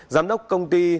giám đốc công ty